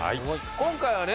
今回はね